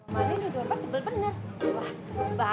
yaudah deh gak apa apa